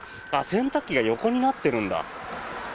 洗濯機が横になってるんだ。